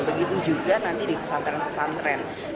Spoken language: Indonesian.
begitu juga nanti di pesantren pesantren